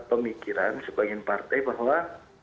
pemikiran sebagian partai bahwa